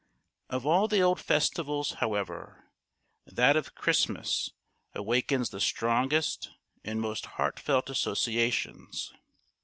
Of all the old festivals, however, that of Christmas awakens the strongest and most heartfelt associations.